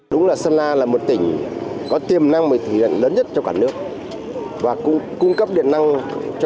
đúng là sơn la là một tỉnh có tiềm năng mới thi đẩn lớn nhất cho cả nước và cung cấp điện năng cho